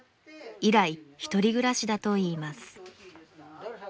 以来１人暮らしだといいます。